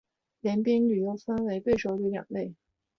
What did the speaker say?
联兵旅又区分为守备旅两类。